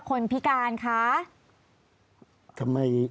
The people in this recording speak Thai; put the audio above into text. คนพิการคะ